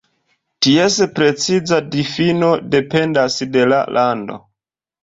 Ties preciza difino dependas de la lando.